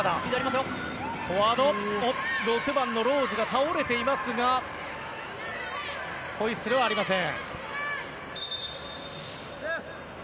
６番のローズが倒れていますがホイッスルはありません。